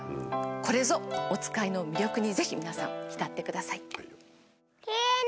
「これぞおつかい」の魅力にぜひ皆さん浸ってください。